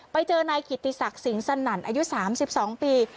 ไปเจอนายกิติศักดิ์สิงสนั่นอายุ๓๒ปี